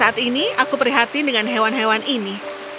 aku tidak bisa berhenti dengan hewan hewan ini